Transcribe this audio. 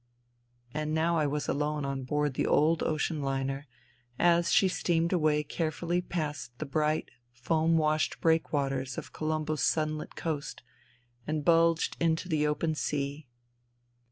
..." And now I was alone on board the old ocean liner, as she steamed away carefully past the bright, foam washed breakwaters of Colombo's sunlit coast, and bulged into the open sea.